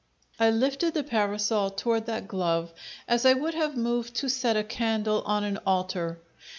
I lifted the parasol toward that glove as I would have moved to set a candle on an altar.